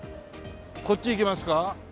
こっち行きますか？